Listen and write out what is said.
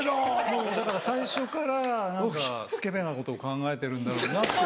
もうだから最初から何かスケベなことを考えてるんだろうなって